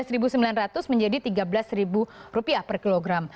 rp sebelas sembilan ratus menjadi rp tiga belas per kilogram